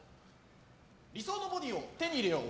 理想のボディーを手に入れよう。